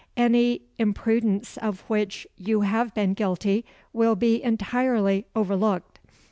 Any imprudence of which you have been guilty will be entirely overlooked.